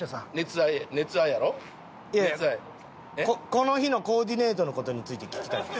この日のコーディネートの事について聞きたいんです。